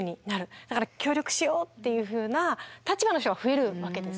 だから協力しようっていうふうな立場の人が増えるわけですね。